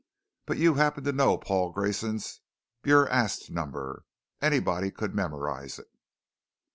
"But you happen to know Paul Grayson's BurAst number. Anybody could memorize it."